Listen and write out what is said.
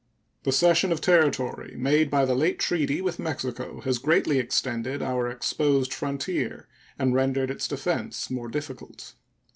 The cession of territory made by the late treaty with Mexico has greatly extended our exposed frontier and rendered its defense more difficult.